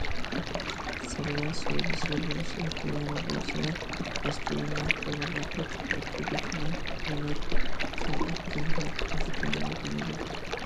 سەللا سودىسى بولۇش ئېھتىمالى بولسىلا باشقىلارنىڭ قولىغا ئۆتۈپ كەتكۈدەكلا ھۈنەر- سەنئەتتىن ھالقىپ كېتەلىگىنى يوق.